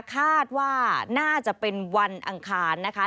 คาดว่าน่าจะเป็นวันอังคารนะคะ